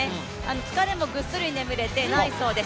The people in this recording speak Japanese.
疲れもぐっすり眠れて、ないそうです。